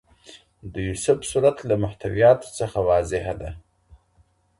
د يوسف سورت له محتوياتو څخه واضحه ده.